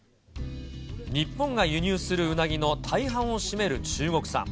日本が輸入するうなぎの大半を占める中国産。